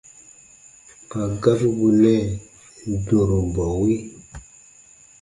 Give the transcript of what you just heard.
Kpa gabu bù nɛɛ dũrubɔwe.